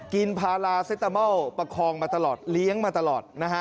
กินพาราเซตาเมลประคองมาตลอดเลี้ยงมาตลอด